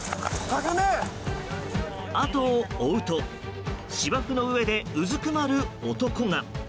後を追うと芝生の上でうずくまる男が。